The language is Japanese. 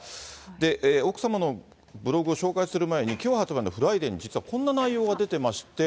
奥様のブログを紹介する前に、きょう発売のＦＲＩＤＡＹに、実はこんな内容が出てまして。